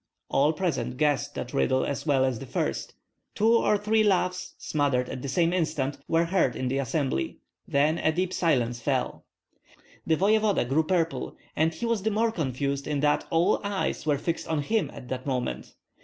All present guessed that riddle as well as the first. Two or three laughs, smothered at the same instant, were heard in the assembly; then a deep silence fell. The voevoda grew purple, and he was the more confused in that all eyes were fixed on him at that moment.